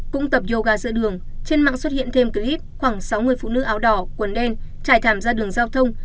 cũng tập yoga giữa đường trên mạng xuất hiện thêm clip khoảng sáu mươi phụ nữ áo đỏ quần đen trải thảm ra đường giao thông